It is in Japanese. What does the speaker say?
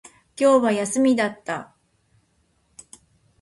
今日は休みだった